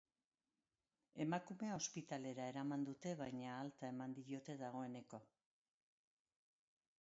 Emakumea ospitalera eraman dute, baina alta eman diote, dagoeneko.